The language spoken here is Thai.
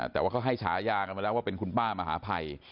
แต่ว่าเค้าให้ฉายากันว่าเป็นคุณป้ามหาภัย